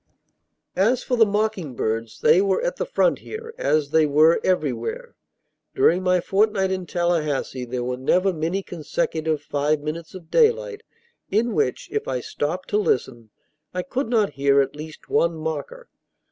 As for the mocking birds, they were at the front here, as they were everywhere. During my fortnight in Tallahassee there were never many consecutive five minutes of daylight in which, if I stopped to listen, I could not hear at least one mocker.